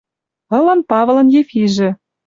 Ылын Павылын Ефижӹ —